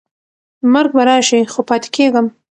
مرګ به راشي خو پاتې کېږم.